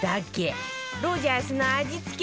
ロヂャースの味付け